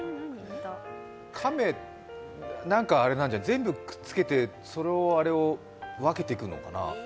全部くっつけて、それを分けていくのかな。